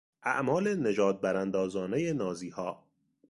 اعمال نژاد براندازانهی نازیها